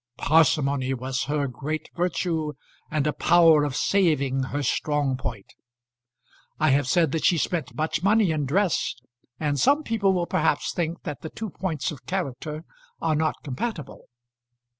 Parsimony was her great virtue, and a power of saving her strong point. I have said that she spent much money in dress, and some people will perhaps think that the two points of character are not compatible.